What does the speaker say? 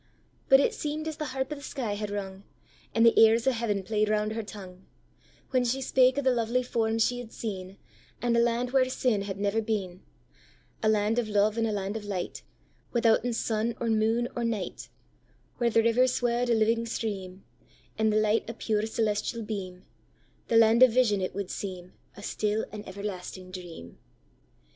But it seem'd as the harp of the sky had rung, And the airs of heaven play'd round her tongue, When she spake of the lovely forms she had seen, And a land where sin had never been;A land of love and a land of light, Withouten sun, or moon, or night; Where the river swa'd a living stream, And the light a pure celestial beam; The land of vision, it would seem,A still, an everlasting dream.